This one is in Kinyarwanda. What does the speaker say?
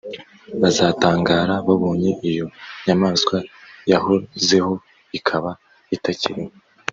bazatangara babonye iyo nyamaswa yahozeho ikaba itakiriho,